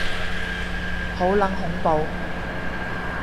好撚恐怖